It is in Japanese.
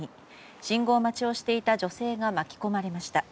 信号待ちをしていた女性が巻き込まれました。